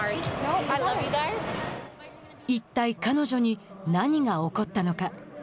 一体、彼女に何が起こったのか。